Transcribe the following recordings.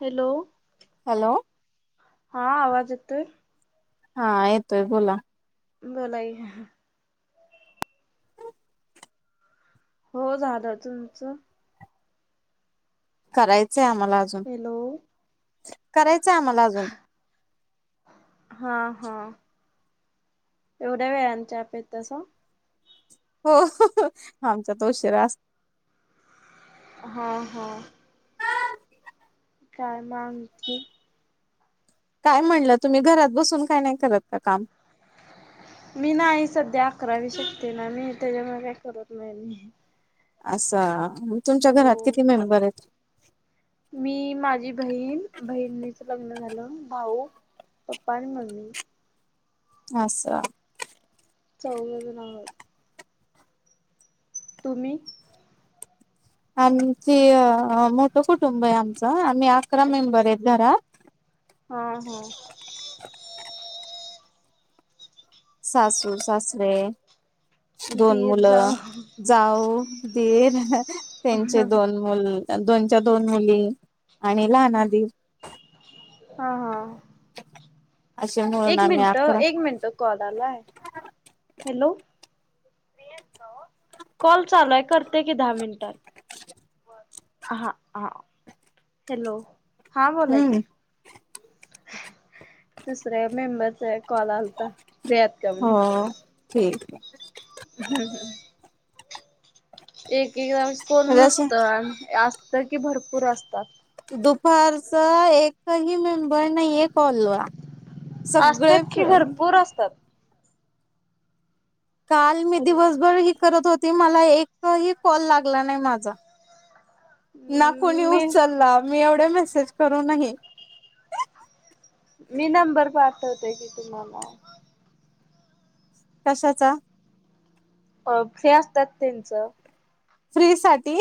Hello, hello हा आवाज येतोय. हा येतोय बोला. बोल आई. हो झाल. तुमच करायचय आम्हाला अज हॅलो करायच आम्हाला अजून. हा हा एवढ्या वेळान चहा पेतासा. हो आमचा त उशिरा अस- हा हा [unintelligible] काय मग आणखी काय म्हणल, तुम्ही घरात बसून काय नाही करत का काम. मी नाही सध्या अकरावी शिकते ना मी. त्याच्यामुळे काय करत नाही मी. असा, म तुमच्या हो घरात किती मेंबर आहेत. मी माझी बहीण, बहिणीच लग्न झाल. भाऊ पप्पा आणि मम्मी. अस चौघ जण आहोत. तुम्ही? आणि ते, मोठ कुटुंब आहे आमच. आम्ही अकरा मेंबर आहेत घरात. हां हं. सासू सासरे दोन दीर मुलं, जाव जाऊ, दीर, त्यांचे हा दोन मुलं [unintelligible] दोनच्या-दोन मुली आणि लहाना दीर हा हा. असे मिळून एक आम्ही मिनट, अकरा एक मिनट, कॉल आला, हॅलो? [unintelligible] कॉल चालूय, करते कि, दहा मिनिटात. हा हा, हॅलो? हा बोला हम्म की. दुसऱ्या मेंबरचा, एक कॉल आलता. [unintelligible] हं, ठीक. [unintelligible] एक-एकदा वेळेस कोण म्हणजे असे नसतं, अन अत की, भरपूर असतात. दुपारच एकही मेंबर नहीये, कॉल ला. असतात सगळेच [unintelligible] असतात. काल मी दिवसभर ही करत होते, माला एकही कॉल, लागला नही माझा. ना कोणी मी उचलला, मी एवढे मेसेज करून ही. मी नंबर पाठवते की, तुम्हाला. कशाचा? अ फ्री असतात, त्यांचं. फ्री साठी.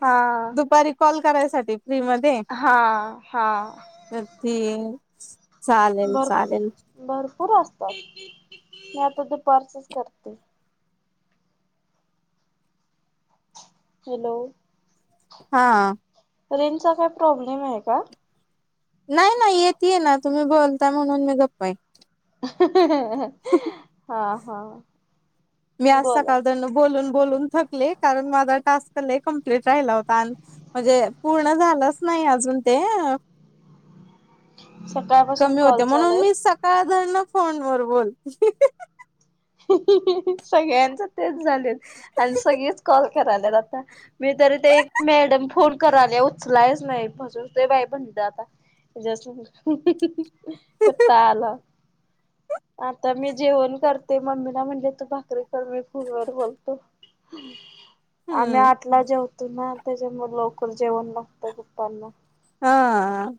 हा. दुपारी कॉल करायसाठी. फ्री हा हा. त ती, चालेल भर चालेल. भरपूर असतात, मी आता दुपारचंच करते. हॅलो? हा. रेंजचा, काय प्रॉब्लेम ये का? नाही- नाही येतिये ना, तुम्ही बोलता, म्हणून मी गप्प य. हा हा. मी आज बोला सकाळ धरन बोलून-बोलून थकले, कारण माझा टास्क लई कम्प्लीट राहिला होता, आणि म्हणजे, पूर्ण झालाच नही अजून ते सकाळपासून कमी कॉल होते, म्हणून चालूय मी सकाळ धरन, फोनवर बोलत ह्ह्णह हं ह्हणं, सगळ्यांच तेच झालेत अन सगळेच कॉल, करायल्यात आता. मी तरी, ते एक मॅडम फोन करायले, उचलायच नही, बसून दे बाई, म्हणलं आता. तुझ्या संग. ह्हणं हहं. कंटाळा आला, आता मी जेवण कर ते मम्मीला म्हणले, तू भाकरी कर, मी फोनवर बोलतो. आम्ही हम्म आठला जेवतो ना, त्याच्यामुळ लवकर जेवण लागत, पप्पांना. हां.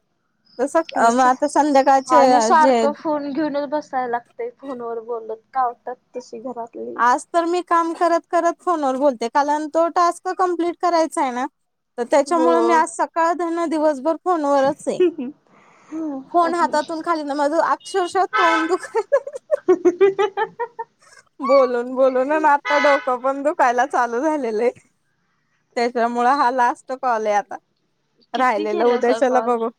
तुमचं आणि जे सारखं, फोन घेऊनच, बसाय लाग ते फोनवर बोलत, कावतात, तशी घरात आज तर, मी काम करत-करत फोनवर बोलते, कालण तो टास्क कंप्लीट करायचा य ना? तर त्याच्यामुळ, मी हो. आज सकाळधरन, दिवसभर, फोनवरच ये. फोन हातातून खालीन माझ अक्षरशः तोंड दुखायला लागलं. बोलून बोलून. अन आता डोकं पण दुखायला चालू झालेलंय. त्याच्यामुळे हा लास्ट कॉले आता. किती राहिलेला केलासा उद्याच्याला कॉल? बघू.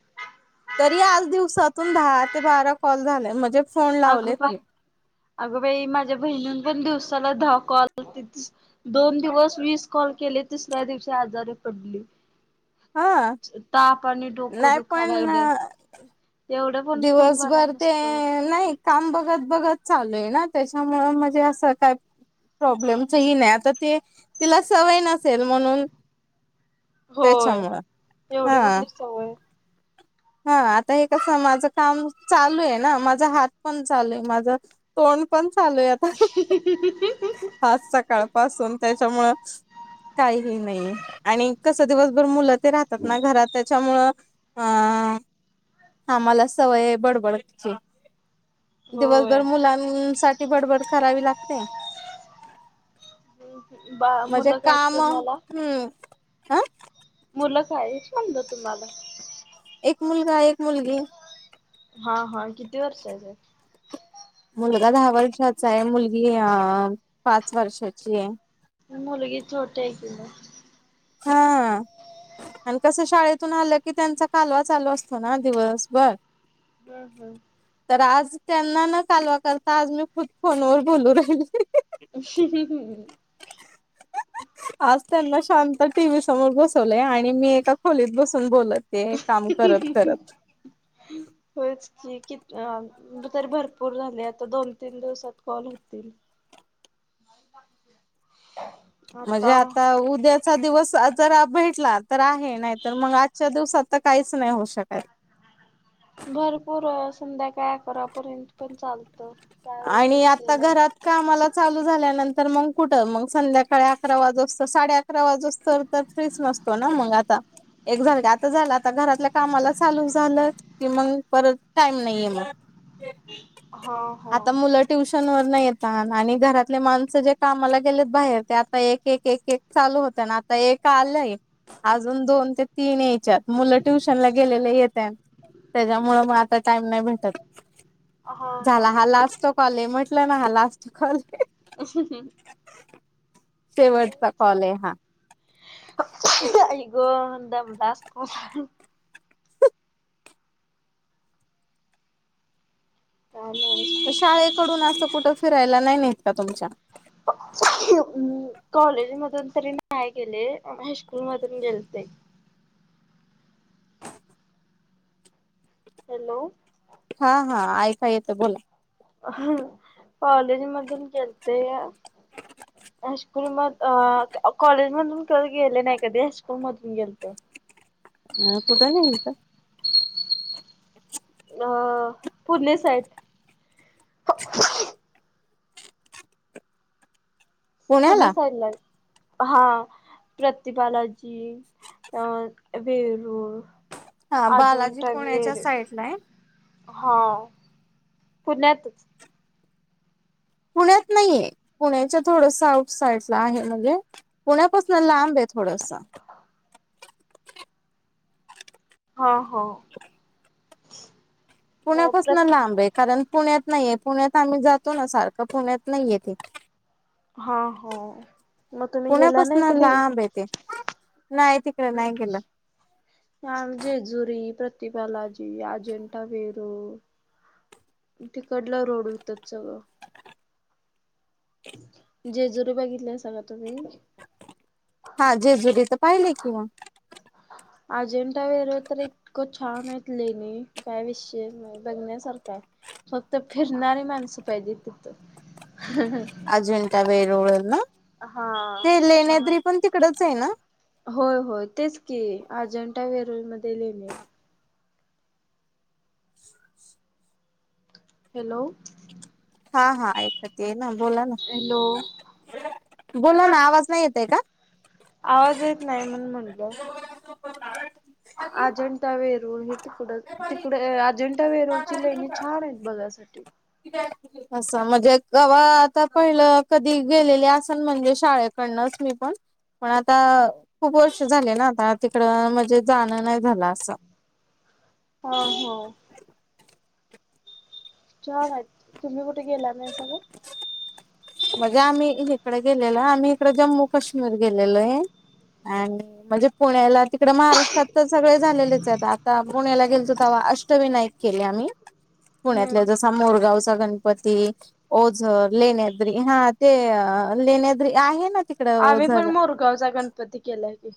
तरी आज दिवसातून दहा ते बारा कॉल झाले. म्हणजे फोन लावलेत अगबाई, मी अगबाई माझ्या बहिणीन पण दिवसाला दहा कॉल होतेच. दोन दिवस वीस कॉल केले. तिसऱ्या दिवशी आजारी पडली. हा ताप आणि डोकं नाही दुखायला पण लागलं. एवढं पण फोन बरा दिवसभर ते नसतो. नाही. काम बघत बघत चालूय ना. त्याच्यामुळ म्हणजे असं काय प्रॉब्लेमच ही नाय. आता ते तिला सवय नसेल म्हणून होय त्याच्यामुळ. हा. एवढी कुठली सवय. हा आता हे कसं माझं काम चालूय ना. माझा हात पण चालूय. माझं तोंड पण चालूय आता. [unintelligible] आज सकाळपासून त्याच्यामुळं काही हे नाहीये. आणि कस दिवसभर मुलं ते राहतात ना घरात. त्याच्यामुळं हा. आम्हाला सवय हाय बडबड करायची. होय. दिवसभर मुलांना साठी बडबड करावी लागते. बा म्हणजे मुलं काय काम, तुम्हाला? हम्म. अ. मुलं काय हाईत म्हणल तुम्हाला? एक मुलगा एक मुलगी. हा हा! किती वर्षाचे? मुलगा दहा वर्षाचाय. मुलगी अ पाच वर्षाचीय. मुलगी छोटीय की म. हा. आणि कसं शाळेतून आलं की, त्यांचा कालवा चालू असतो ना दिवस भर. हम्म हम्म. आज त्यांना न कालवा करता, आज मी खुद फोनवर बोलू राहिली. [unintelligible] आज त्यांना शांत टीव्ही समोर बस लय. आणि मी एका खोलीत बसून बोलते. हे काम करत करत. होयच की. कती अ तरी भरपूर झाले आता. दोन तीन दिवसात कॉल होतील. म्हणजे आता उद्या चा दिवस जरा भेटला तर आहे. नाही तर मग आजच्या दिवसात तर काहीच नाही होऊ शकत. भरपूर संध्याकाळ अकरापर्यंत पण चाल आणि आता घरात कामाला चालू झाल्यानंतर मग कुठं? मग संध्याकाळी अकरा वाजुसत. साडे आक आकरावाजुसत तर फ्रीच नसतो ना मग आता. एक झालं की. आता झालं. आता घरातल्या कामाला चालू झालं कि मग परत टाईम नाहीये मग. हा. हा आता मुलं ट्युशन वरन येतात. आणि घरातले माणसं जे कामाला गेलेत बाहेर. ते आता एक एक एक एक चालू होतय ना. आता एक आलंय. अजून दोन ते तीन यायच्यात मुलं ट्युशनला गेलेल येत्यान त्याच्यामुळ मग आता टाइम नाही भेटत. झाला हा लास्ट कॉलय म्हटलं ना हा लास्ट कॉलय. [inaudible] शेवटचा कॉलय हा. [unintelligible] काय नाही. तर शाळेकडून असं कुठं फिरायला नाही नेत का तुमच्या? [inaudible] कॉलेज मधून तरी नाही गेले हायस्कूल मधून गेलते. हॅलो! हा हा ऐकाय येतं बोला. कॉलेज मधून गेलते. [inaudible] हायस्कूल मध अ कॉलेजमधून काय गेले नाही कधी हायस्कूल मधून गेलतो. अ कुठ नेल्हत? अ पुणे साईड. पुणे पुण्याला साइडला. हा प्रतिबालाजी, अं वेरूळ हा बालाजी अजिंठा पुण्याच्या वेर साईडला आहे हा पुण्यातच. पुण्यात नाहीये पुण्याच्या थोडस आउट साइडला आहे म्हणजे पुण्यापासन लांबय थोडस. हो हो. पुण्यापासन लांबय कारण पुण्यात नाहीये, पुण्यात आम्ही जातो ना सारखं, पुण्यात नाहीय ते. हा हो मग तुम्ही गेला नाही पुण्यापासून कधी? लांब आहे नाही ती [inaudible] हां आम्ही जेजुरी, प्रतिबालाजी, अजंटा वेरूळ तिकडला रोड होतात सगळं. जेजुरी बघितलियासा का तुम्ही? हा जेजुरी त पाहिलय की मग. अजिंठा वेरूळ तर इतकं छानेत लेणी काय विषयच नाय. बघण्यासारखाय फक्त फिरणारी माणसं पाहिजे ति. अजिंठा वेरळ ना, हा ते छान. लेण्याद्री पण तिकडचय ना? होय होय तेच की अजिंठा वेरूल मध्ये लेनीयेत. हॅलो! हा हा ऐकतयेय ना, बोला ना. हॅलो. बोला ना आवाज नाही येतय का? आवाज येत नाही म्हणून म्हणलो. [inaudible] अजिंठा वरून हे तिकड तिकड अजंठा वेरूळची लेणी छानयत बघायसाठी. [unintelligible] असं म्हणजे कवा आता पहिलं कधी गेलेले असल म्हणजे शाळेकडनंच मी पण. पण आता खूप वर्ष झाले ना? आता तिकडं म्हजे जाणं नाय झालं असं हो हो छानय, तुम्ही कुठे गेला नाहीसा ते? म्हजे आम्ही इकडें गेलेल. आम्ही इकडे जम्मू काश्मीर गेलेलोय आणि म्हणजे पुण्याला. तिकड महाराष्ट्रात तर सगळेच झालेलेचयत. आता पुण्याला गेलतो तव्हा अष्टविनायक केले आम्ही पुण्यातला हम्म जसा मोरगावचा गणपती, ओझर, लेण्या द्री हा ते लेण्याद्री आहे ना तीक आम्ही पण मोरगावचा गणपती केलाय की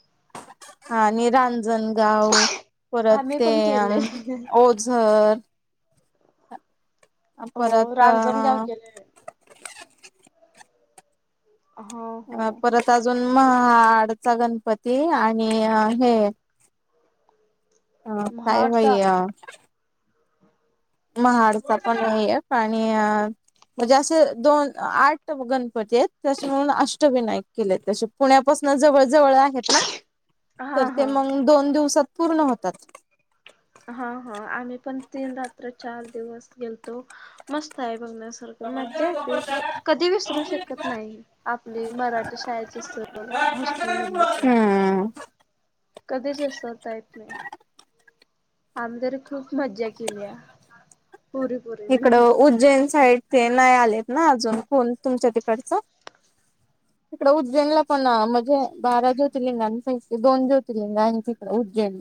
हा आणि रांजणगाव, परत आम्ही ते पण केलंय. ओझर‌ हो परत रांजणगाव अं केलंय. हो हो. अ परत आजून, महाडचा गणपती, आणि हे हं काय महाडचा. बाई अ महाडचा पणय एक, आणि अ म्हणजे असे दोन आठ गणपतीयेत, तशे मिळून अष्टविनायक केलेत तशे पुण्यापासून जवळ जवळ आहेत ना, तर हा ते हा मग दोन दिवसात पूर्ण होतात हा हा आम्ही पण तीन रात्र चार दिवस गेलतो मस्तय बघण्यासार खरतर मज्जा येते कधी विसरू शकत नाही. आपली मराठी शाळेची सहल हायस्कूल मधली सहल हम्म कधीच विसरता येत नायी आम्ही तरी खूप मज्जा केलीय पोरी इकडं पोरींनी. उज्जैन साईड ते नायी आलेत ना अजून कोण तुमच्या तिकडचं? [inaudible] तिकडं उज्जैनला पण म्हणजे बारा ज्योतिर्लिंगापैकी दोन ज्योतिर्लिंगय हाय तिकडं उज्जैनला